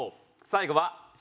最後はＣ。